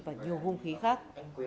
và nhiều hung khí khác